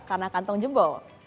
karena kantong jempol